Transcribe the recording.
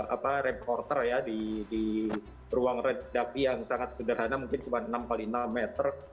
apa reporter ya di ruang redaksi yang sangat sederhana mungkin cuma enam x enam meter